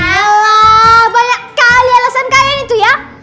alah banyak kali alasan kalian itu ya